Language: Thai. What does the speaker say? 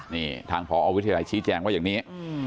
นี่ทางพอวิทยาลัยชี้แจงว่าอย่างนี้